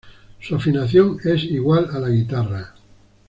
Su afinación es igual a la guitarra.